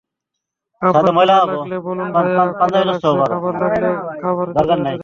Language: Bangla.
আপনাদের ক্ষুদা লাগলে বলুন ভাইয়া ক্ষুদা লাগছে, খাবার লাগবে, খাবার খেতে দেন।